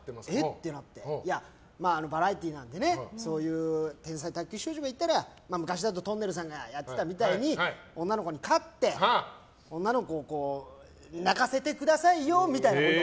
ってなってバラエティーなんでそういう天才卓球少女がいたら昔だったらとんねるずさんがやってたように女の子に勝って、女の子を泣かせてくださいよみたいな。